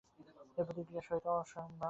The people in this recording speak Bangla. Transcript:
এই প্রতিক্রিয়ার সহিত অহংভাব জাগিয়া উঠে।